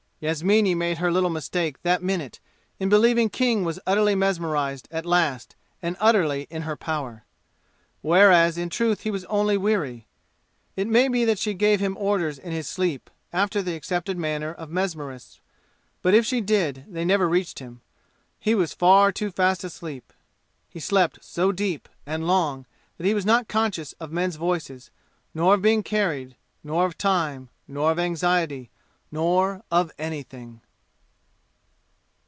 Yasmini made her little mistake that minute in believing King was utterly mesmerized at last and utterly in her power. Whereas in truth he was only weary. It may be that she gave him orders in his sleep, after the accepted manner of mesmerists; but if she did, they never reached him; he was far too fast asleep. He slept so deep and long that he was not conscious of men's voices, nor of being carried, nor of time, nor of anxiety, nor of anything.